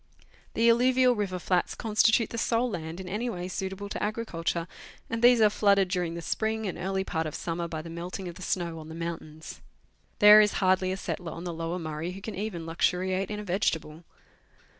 The alluvial river flats constitute the sole land in any way suitable to agriculture, and these are flooded during the spring and early part of summer by the melting of the snow on the mountains. There is hardly a settler on the Lower Murray who can even luxuriate in a vegetable.